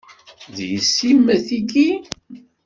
D yessi-m tigi?